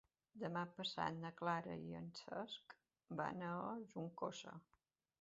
Demà passat na Clara i en Cesc van a Juncosa.